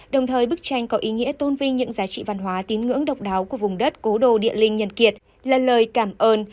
đồng thời bức tranh có ý nghĩa tôn vinh những giá trị văn hóa tín ngưỡng độc đáo của vùng đất cố đô địa linh nhân kiệt là lời cảm ơn